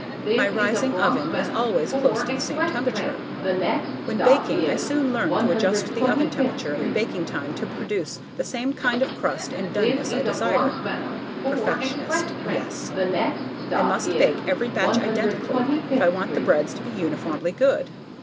My rising oven is always close to the same temperature; when baking I soon learn to adjust the oven temperature and baking time to produce the kind of crust and doneness I desire. Precisionist, yes. I must bake every batch identically if I want the breads to be uniformly good.